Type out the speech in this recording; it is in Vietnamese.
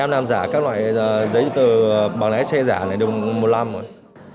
em làm giả các loại giấy tờ bằng lái xe giả này được một năm rồi